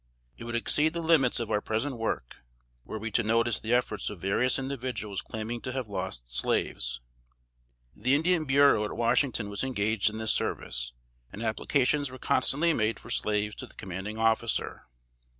It would exceed the limits of our present work, were we to notice the efforts of various individuals claiming to have lost slaves. The Indian Bureau at Washington was engaged in this service, and applications were constantly made for slaves to the commanding officer.